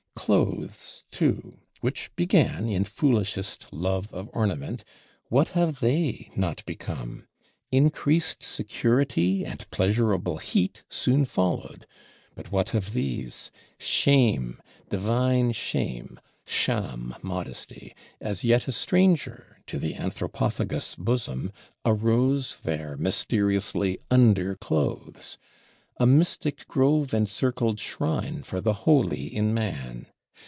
Clothes too, which began in foolishest love of Ornament, what have they not become! Increased Security and pleasurable Heat soon followed: but what of these? Shame, divine Shame (Scham, Modesty), as yet a stranger to the Anthropophagous bosom, arose there mysteriously under Clothes; a mystic grove encircled shrine for the Holy in man.